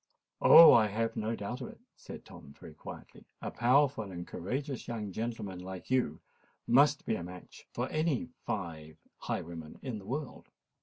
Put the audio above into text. "Oh! I have no doubt of it," said Tom very quietly. "A powerful and courageous young gentleman like you must be a match for any five highwaymen in the world."